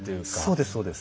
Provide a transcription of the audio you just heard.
そうですそうです。